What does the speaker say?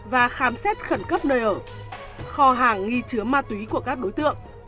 và khám xét khẩn cấp nơi ở kho hàng nghi chứa ma túy của các đối tượng